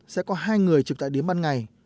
sẽ có hai người trực tại điếm ban ngày